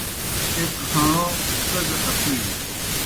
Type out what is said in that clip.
ایْک ہݨو، سگہ اسُجوْ